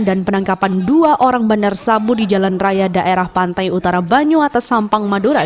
dan penangkapan dua orang bandar sabu di jalan raya daerah pantai utara banyuates sampang madura